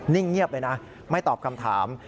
เงียบเลยนะไม่ตอบคำถาม